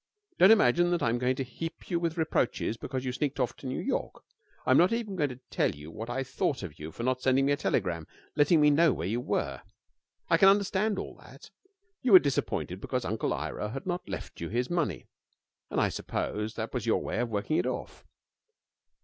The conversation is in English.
Don't imagine that I am going to heap you with reproaches because you sneaked off to New York. I'm not even going to tell you what I thought of you for not sending me a telegram, letting me know where you were. I can understand all that. You were disappointed because Uncle Ira had not left you his money, and I suppose that was your way of working it off.